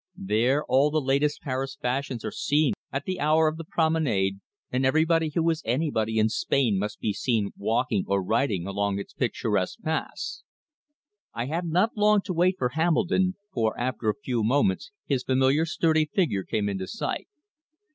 There all the latest Paris fashions are seen at the hour of the promenade, and everybody who is anybody in Spain must be seen walking or riding along its picturesque paths. I had not long to wait for Hambledon, for after a few moments his familiar sturdy figure came into sight.